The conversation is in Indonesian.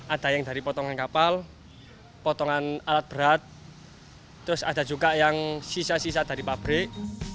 ada yang dari potongan kapal potongan alat berat terus ada juga yang sisa sisa dari pabrik